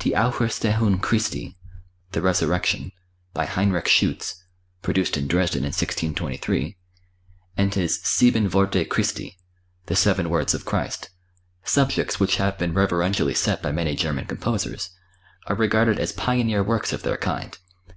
"Die Auferstehung Christi" (The Resurrection), by Heinrich Schütz, produced in Dresden in 1623, and his "Sieben Worte Christi" (The Seven Words of Christ), subjects which have been reverentially set by many German composers, are regarded as pioneer works of their kind.